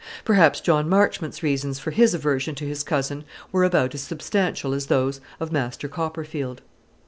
Perhaps John Marchmont's reasons for his aversion to his cousin were about as substantial as those of Master Copperfield.